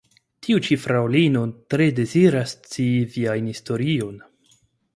Tiu ĉi fraŭlino tre deziras scii vian historion.